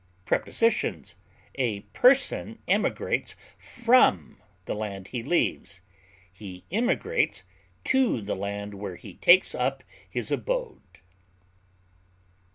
Prepositions: A person emigrates from the land he leaves, and immigrates to the land where he takes up his abode.